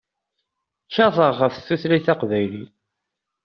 Kkateɣ ɣef tutlayt taqbaylit.